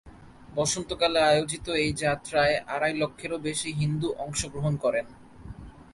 বসন্তকালে আয়োজিত এই যাত্রায় আড়াই লক্ষেরও বেশি হিন্দু অংশগ্রহণ করেন।